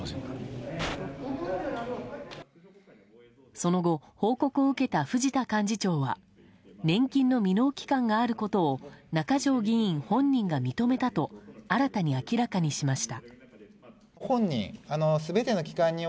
その後、報告を受けた藤田幹事長は年金の未納期間があることを中条議員本人が認めたと新たに明らかにしました。